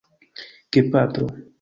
gepatro